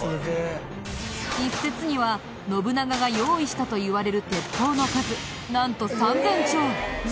一説には信長が用意したといわれる鉄砲の数なんと３０００丁。